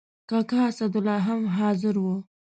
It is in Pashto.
کاکا اسدالله هم حاضر و.